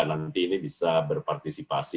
nanti ini bisa berpartisipasi